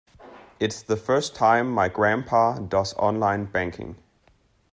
It's the first time my grandpa does online banking.